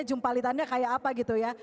jumpalitannya kayak apa gitu ya